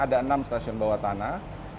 ada enam stasiun bawah tanah